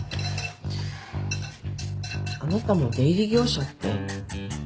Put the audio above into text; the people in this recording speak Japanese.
あなたも「出入り業者」って。